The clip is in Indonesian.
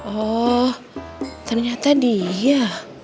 oh ternyata dia